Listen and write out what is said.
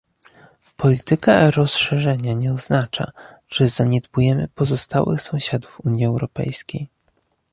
Polityka rozszerzenia nie oznacza, że zaniedbujemy pozostałych sąsiadów Unii Europejskiej